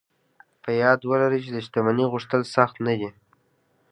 په یاد و لرئ چې د شتمنۍ غوښتل سخت نه دي